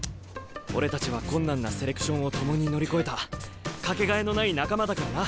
俺たちは困難なセレクションを共に乗り越えた掛けがえのない仲間だからな！